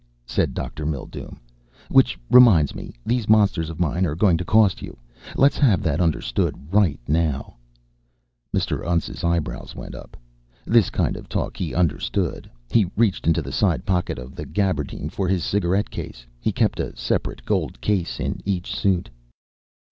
_" said Dr. Mildume. "Which reminds me these monsters of mine are going to cost you. Let's have that understood, right now." Mr. Untz's eyebrows went up. This kind of talk he understood. He reached into the side pocket of the gabardine for his cigarette case. He kept a separate gold case in each suit.